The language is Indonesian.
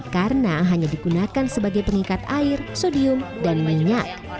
karena hanya digunakan sebagai pengikat air sodium dan minyak